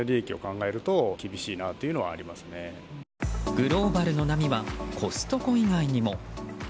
グローバルの波はコストコ以外にも。